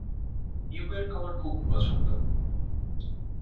New York আমার খুব পছন্দ।